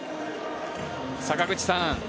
坂口さん